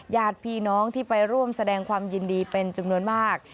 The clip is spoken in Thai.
ญาติพี่น้องที่ไปร่วมแสดงความยินดีเป็นจำนวนมาก